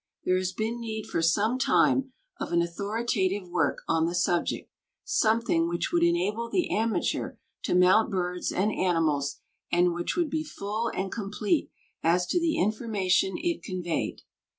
There has been need for some time of an authoritative work on the subject, something which would enable the amateur to mount birds and animals and which would be full and complete as to the information it conveyed.